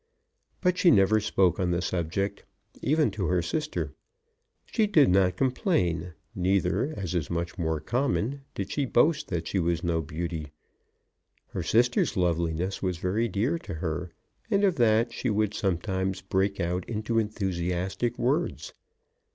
But she never spoke on the subject, even to her sister. She did not complain; neither, as is much more common, did she boast that she was no beauty. Her sister's loveliness was very dear to her, and of that she would sometimes break out into enthusiastic words.